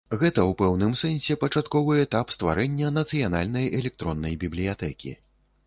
Гэта ў пэўным сэнсе пачатковы этап стварэння нацыянальнай электроннай бібліятэкі.